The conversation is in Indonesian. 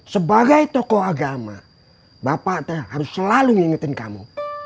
sebagai tokoh agama bapak harus selalu ngingetin kamu